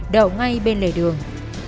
đầu ngay bên lề đường